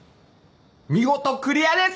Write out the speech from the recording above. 見事クリアです